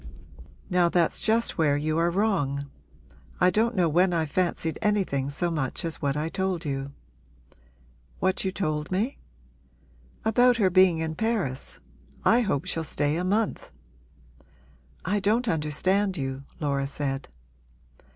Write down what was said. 'Now that's just where you are wrong. I don't know when I've fancied anything so much as what I told you.' 'What you told me?' 'About her being in Paris. I hope she'll stay a month!' 'I don't understand you,' Laura said.